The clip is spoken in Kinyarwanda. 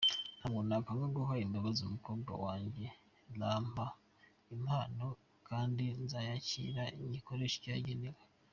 Ntabwo nakwanga guha imbabazi umukobwa wanjye, nampa impano kandi nzayakira nyikoreshe icyo yagenewe.